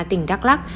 tỉnh đắk lắc